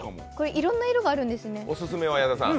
いろいろな色があるんですね。